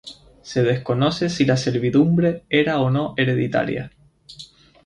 Se desconoce si la servidumbre era o no hereditaria.